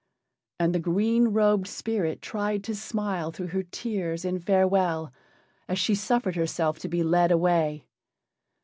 And the green robed spirit tried to smile through her tears in farewell as she suffered herself to be led away.